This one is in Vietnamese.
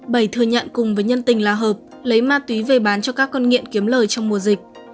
bảy thừa nhận cùng với nhân tình là hợp lấy ma túy về bán cho các con nghiện kiếm lời trong mùa dịch